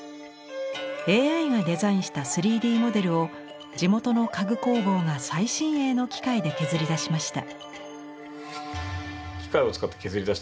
ＡＩがデザインした３Ｄモデルを地元の家具工房が最新鋭の機械で削りだしました。